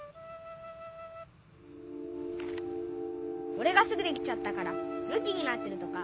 おれがすぐできちゃったからムキになってるとか？